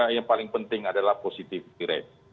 yang paling penting adalah positivity rate